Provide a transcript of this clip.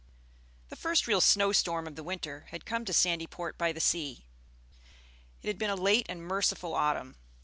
The first real snow storm of the winter had come to Sandyport by the Sea. It had been a late and merciful autumn.